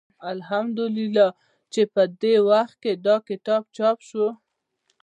الحمد لله چې په دې وخت کې دا کتاب چاپ شو.